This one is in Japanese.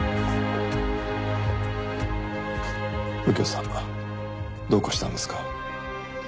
右京さんどうかしたんですか？